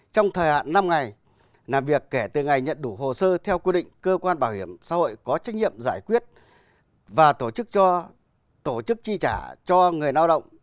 trong thời hạn năm ngày làm việc kể từ ngày nhận đủ hồ sơ theo quy định cơ quan bảo hiểm xã hội có trách nhiệm giải quyết và tổ chức cho tổ chức chi trả cho người lao động